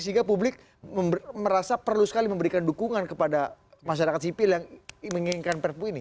sehingga publik merasa perlu sekali memberikan dukungan kepada masyarakat sipil yang menginginkan perpu ini